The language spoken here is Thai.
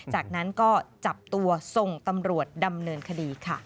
จากนั้นก็จับตัวส่งตำรวจดำเนินคดีค่ะ